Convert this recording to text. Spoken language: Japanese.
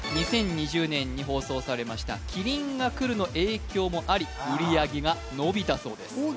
２０２０年に放送されました「麒麟がくる」の影響もあり売り上げが伸びたそうです